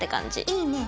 いいね。